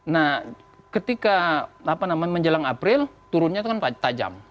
nah ketika menjelang april turunnya itu kan tajam